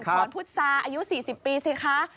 พรพุทธศาอายุ๔๐ปีสิคะ